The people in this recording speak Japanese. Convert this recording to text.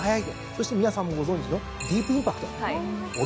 そして皆さんもご存じのディープインパクトオルフェーヴル。